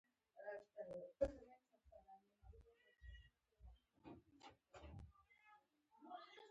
تورن وویل: هدف دې څه دی؟ پلاستیکي پښه؟